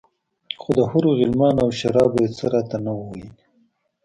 خو د حورو غلمانو او شرابو يې څه راته نه وو ويلي.